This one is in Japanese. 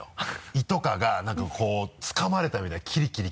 胃とかが何かこうつかまれたみたいキリキリ。